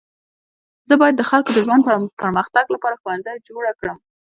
زه باید د خلکو د ژوند د پرمختګ لپاره ښوونځی جوړه کړم.